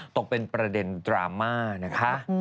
ตกเป็นประเด็นดราม่านะคะ